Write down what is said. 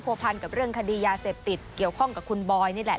พันกับเรื่องคดียาเสพติดเกี่ยวข้องกับคุณบอยนี่แหละ